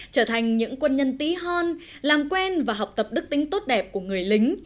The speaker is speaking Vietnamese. trở thành những quân nhân tí hon làm quen và học tập đức tính tốt đẹp của người lính